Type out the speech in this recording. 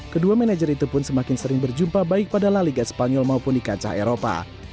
kedua manajer itu pun semakin sering berjumpa baik pada la liga spanyol maupun di kancah eropa